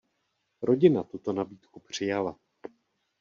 Rodina tuto nabídku přijala.